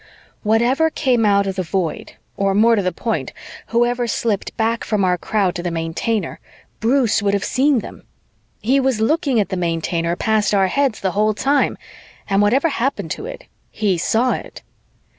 Whatever came out of the Void, or, more to the point, whoever slipped back from our crowd to the Maintainer, Bruce would have seen them. He was looking at the Maintainer past our heads the whole time, and whatever happened to it, he saw it.